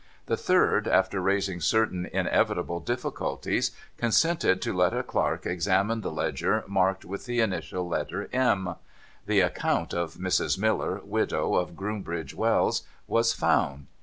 The third, after raising certain inevitable difficulties, consented to let a clerk examine the Ledger marked with the initial letter ' M.' The account of Mrs. Miller, widow, of Groombridge Wells, was found.